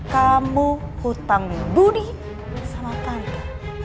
kamu hutangin budi sama tante